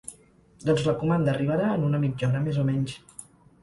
Doncs la comanda arribarà en una mitja hora més o menys.